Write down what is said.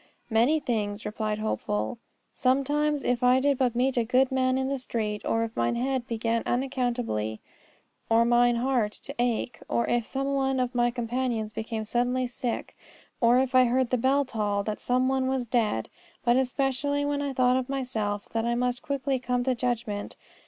Many things, replied Hopeful. Sometimes if I did but meet a good man in the street. Or if mine head began unaccountably, or mine heart, to ache. Or if some one of my companions became suddenly sick. Or if I heard the bell toll that some one was dead. But, especially, when I thought of myself that I must quickly come to judgment.